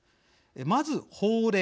まず法令。